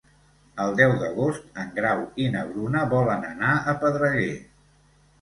El deu d'agost en Grau i na Bruna volen anar a Pedreguer.